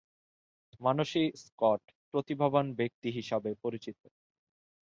মানসী Scott প্রতিভাবান ব্যক্তিত্ব হিসাবে পরিচিত।